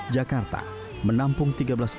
jakarta menampung tiga belas orang